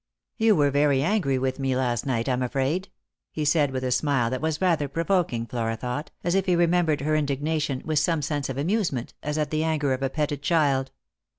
" You were very angry with me last night, I'm afraid ?" he said, with a smile that was rather provoking, Flora thought, as if he remembered her indignation witb some sense of amuse ment, as at the anger of a petted child.